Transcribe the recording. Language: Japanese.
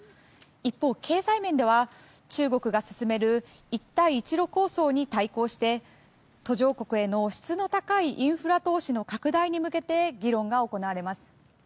一方、経済面では中国が進める一帯一路構想に対抗して途上国への質の高いインフラ投資の拡大に向けて議論が行われます。